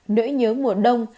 nỗi nhớ mùa đông